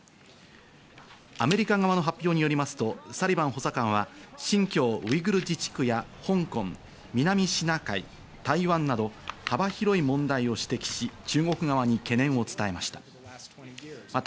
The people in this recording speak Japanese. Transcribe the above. アメリカ側の発表によりますと、サリバン補佐官は新疆ウイグル自治区や香港、南シナ海、台湾など幅広い問題を指摘し、中国側に懸念を伝えました。